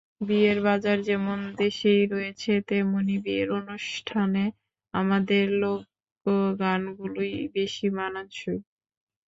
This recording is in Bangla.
বিয়ের বাজার যেমন দেশেই রয়েছে, তেমনি বিয়ের অনুষ্ঠানে আমাদের লোকগানগুলোই বেশি মানানসই।